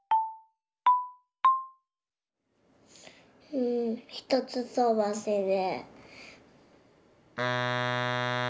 うん１つとばしで。